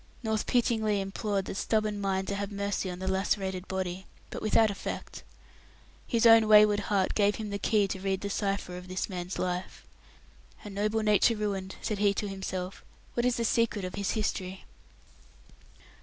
North pityingly implored the stubborn mind to have mercy on the lacerated body, but without effect. His own wayward heart gave him the key to read the cipher of this man's life. "A noble nature ruined," said he to himself. "What is the secret of his history?"